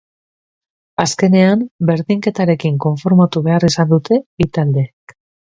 Azkenean, berdinketarekin konformatu behar izan dute bi taldeek.